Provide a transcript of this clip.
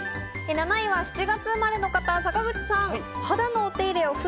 ７位は７月生まれの方、坂口さん。